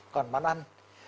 còn món ăn